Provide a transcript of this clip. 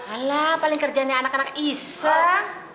alah paling kerjanya anak anak iseng